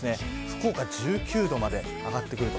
福岡１９度まで上がってきます。